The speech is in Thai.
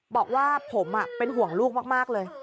บอกว่าผมเป็นห่วงลูกมากเลย